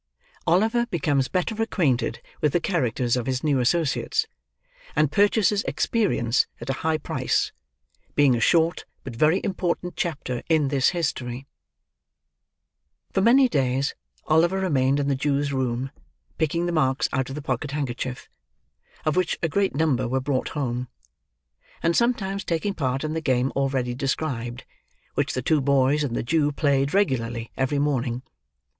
OLIVER BECOMES BETTER ACQUAINTED WITH THE CHARACTERS OF HIS NEW ASSOCIATES; AND PURCHASES EXPERIENCE AT A HIGH PRICE. BEING A SHORT, BUT VERY IMPORTANT CHAPTER, IN THIS HISTORY For many days, Oliver remained in the Jew's room, picking the marks out of the pocket handkerchief, (of which a great number were brought home,) and sometimes taking part in the game already described: which the two boys and the Jew played, regularly, every morning.